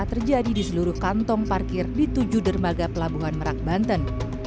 terjadi di seluruh kantong parkir di tujuh dermaga pelabuhan merak banten